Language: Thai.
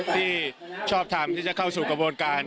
ที่ชอบทำที่จะเข้าสู่กระบวนการ